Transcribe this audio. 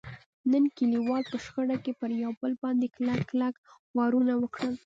نن کلیوالو په شخړه کې یو پر بل باندې کلک کلک وارونه وکړل.